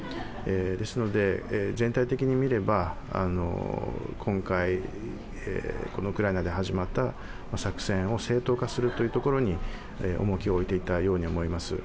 ですので、全体的に見れば今回ウクライナで始まった作戦を正当化するところに重きを置いていたように思います。